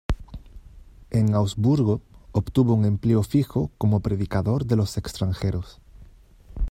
En Augsburgo obtuvo un empleo fijo como predicador de los extranjeros.